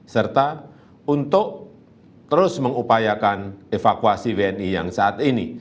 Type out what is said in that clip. serta untuk terus mengupayakan evakuasi wni yang saat ini